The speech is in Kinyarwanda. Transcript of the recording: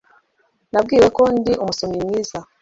Nabwiwe ko ndi umusomyi mwiza.